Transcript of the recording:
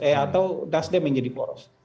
eh atau nasdem yang jadi poros